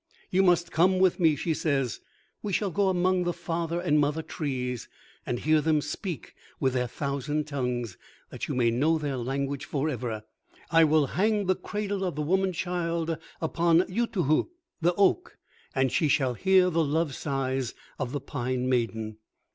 "You must come with me," she says. "We shall go among the father and mother trees, and hear them speak with their thousand tongues, that you may know their language forever. I will hang the cradle of the woman child upon Utuhu, the oak; and she shall hear the love sighs of the pine maiden!"